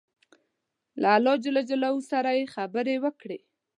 له الله جل جلاله سره یې خبرې وکړې.